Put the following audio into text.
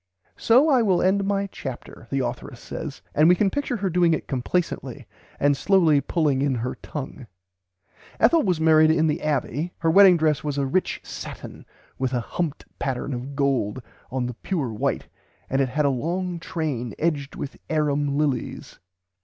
"So I will end my chapter," the authoress says; and we can picture her doing it complacently, and slowly pulling in her tongue. Ethel was married in the Abbey. Her [Pg xvi] wedding dress was "a rich satin with a humped pattern of gold on the pure white and it had a long train edged with Airum lillies."